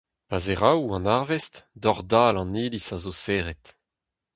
Pa zeraou an arvest, dor-dal an iliz a zo serret.